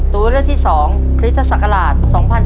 ตัวเลือกที่๒คริสตศักราช๒๔